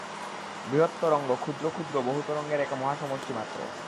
বৃহৎ তরঙ্গ ক্ষুদ্র ক্ষুদ্র বহু তরঙ্গের এক মহাসমষ্টি মাত্র।